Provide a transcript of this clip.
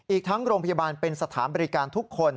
อีกทั้งโรงพยาบาลเป็นสถานบริการทุกคน